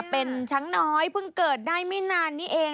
เป็นช้างน้อยเพิ่งเกิดได้ไม่นานนี้เอง